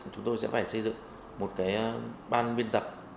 chúng tôi sẽ phải xây dựng một ban biên tập